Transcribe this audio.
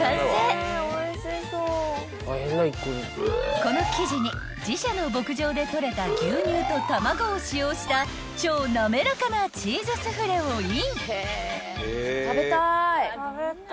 ［この生地に自社の牧場でとれた牛乳と卵を使用した超滑らかなチーズスフレをイン］